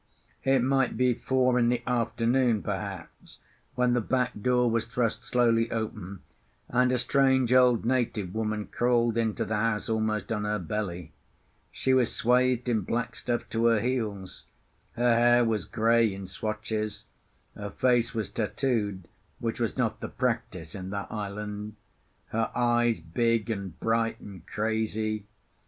It might be four in the afternoon, perhaps, when the back door was thrust slowly open, and a strange old native woman crawled into the house almost on her belly. She was swathed in black stuff to her heels; her hair was grey in swatches; her face was tattooed, which was not the practice in that island; her eyes big and bright and crazy.